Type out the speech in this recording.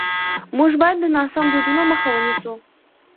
موږ باید د ناسم دودونو مخه ونیسو.